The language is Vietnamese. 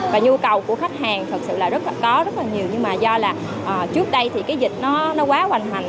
và nhu cầu của khách hàng thực sự là có rất là nhiều nhưng mà do là trước đây thì cái dịch nó quá hoành hành